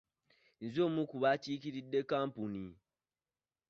Nze omu ku bakiikiridde kkampuni.